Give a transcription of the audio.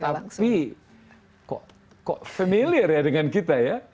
tapi kok familiar ya dengan kita ya